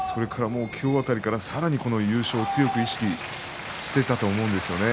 今日辺りからさらに優勝を強く意識していたと思うんですよね。